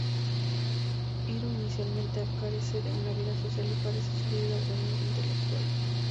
Hiro inicialmente carece de una vida social y parece sufrir de aburrimiento intelectual.